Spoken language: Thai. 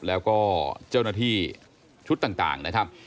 แล้วก็เจ้าหน้าที่ชุดต่างนะครับ